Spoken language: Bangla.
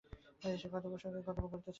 সে কর্তব্যের জন্য কর্তব্য করিতে চাহে না।